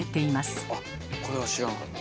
あっこれは知らんかった。